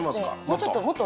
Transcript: もうちょっともっと。